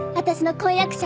婚約者。